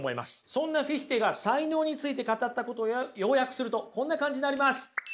そんなフィヒテが才能について語ったことを要約するとこんな感じになります。